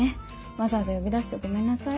わざわざ呼び出してごめんなさい。